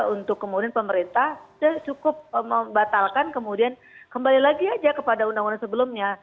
untuk kemudian pemerintah cukup membatalkan kemudian kembali lagi aja kepada undang undang sebelumnya